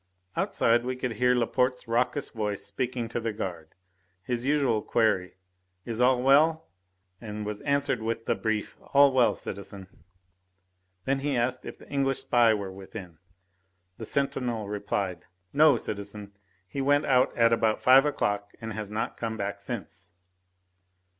Outside we could hear Laporte's raucous voice speaking to the guard. His usual query: "Is all well?" was answered by the brief: "All well, citizen." Then he asked if the English spy were within, and the sentinel replied: "No, citizen, he went out at about five o'clock and has not come back since."